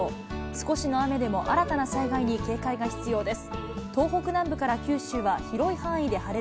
少しの雨でも新たな災害に警戒が必要です。